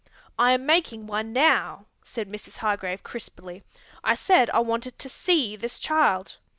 "I am making one now," said Mrs. Hargrave crisply. "I said I wanted to see this child."